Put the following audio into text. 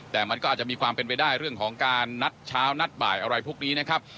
แต่มันก็อาจจะมีความเป็นไปได้เรื่องของการนัดเช้านัดบ่ายอะไรพวกนี้นะครับ